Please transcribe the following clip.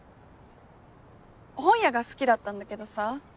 本屋が好きだったんだけどさ